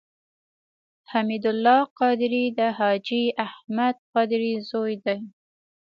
حمید الله قادري د حاجي احمد قادري زوی دی.